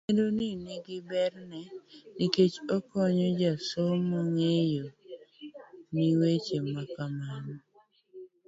chenro ni ni gi ber ne nikech okonyo jasomo ng'eyo ni weche makama